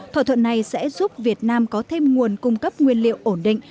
thỏa thuận này sẽ giúp việt nam có thêm nguồn cung cấp nguyên liệu ổn định